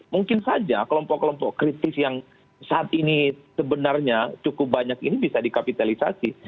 mungkin saja kelompok kelompok kritis yang saat ini sebenarnya cukup banyak ini bisa dikapitalisasi